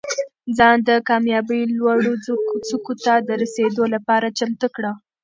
ځان د کامیابۍ لوړو څوکو ته د رسېدو لپاره چمتو کړه.